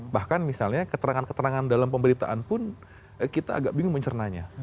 bahkan misalnya keterangan keterangan dalam pemberitaan pun kita agak bingung mencernanya